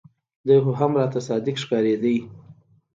دى خو هم راته صادق ښکارېده.